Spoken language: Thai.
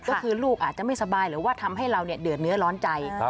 ก็คือลูกอาจจะไม่สบายหรือว่าทำให้เราเดือดเนื้อร้อนใจ